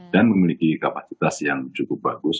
dan memiliki kapasitas yang cukup bagus